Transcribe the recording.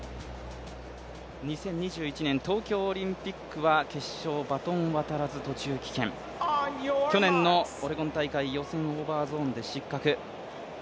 ２０２１年東京オリンピックは決勝、バトン渡らず、途中棄権、去年のオレゴン大会、予選、オーバーゾーンで失格。